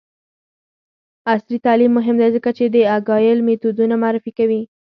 عصري تعلیم مهم دی ځکه چې د اګایل میتودونه معرفي کوي.